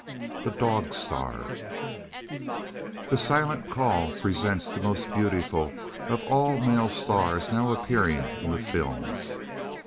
XVI THE DOG STAR The Silent Call presents the most beautiful of all male stars now appearing in the films.